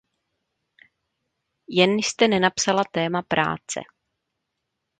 Jen jste nenapsala téma práce.